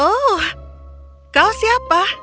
oh kau siapa